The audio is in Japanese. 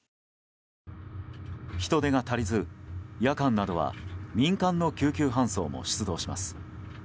人手が足りず、夜間などは民間の救急搬送も出動します。